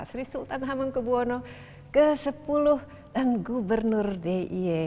sri sultan hamengkubwono x dan gubernur d i e